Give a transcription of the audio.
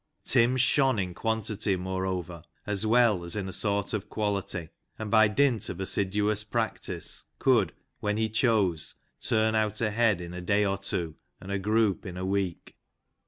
Tim shone in quantity, moreover, as well as in a sort of quality, and by dint of assiduous practice could, when he chose, turn out a head in a day or two, and a group in a week.